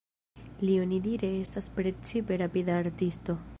Li onidire estis precipe rapida artisto.